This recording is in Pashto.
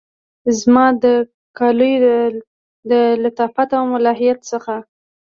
زما د کالیو د لطافت او ملاحت څخه